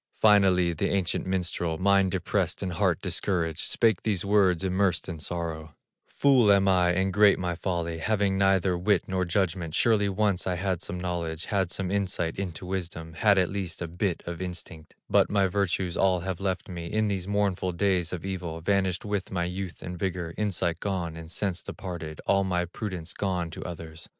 Finally the ancient minstrel, Mind depressed, and heart discouraged, Spake these words, immersed in sorrow: "Fool am I, and great my folly, Having neither wit nor judgment; Surely once I had some knowledge, Had some insight into wisdom, Had at least a bit of instinct; But my virtues all have left me In these mournful days of evil, Vanished with my youth and vigor, Insight gone, and sense departed, All my prudence gone to others!